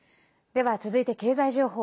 では、続いて経済情報。